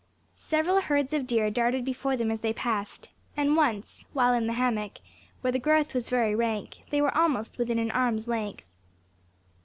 Several herds of deer darted before them as they passed, and once, while in the hammock, where the growth was very rank, they were almost within arm's length.